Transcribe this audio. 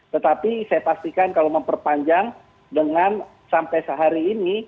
tetapi saya pastikan kalau memperpanjang dengan sampai sehari ini